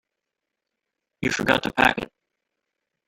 You forgot to pack it.